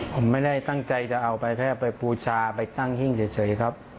ผมไม่ได้ตั้งใจจะเอาไปแค่ไปบูชาไปตั้งหิ้งเฉยครับ